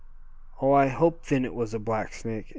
"Oh! I hope then it was a black snake!"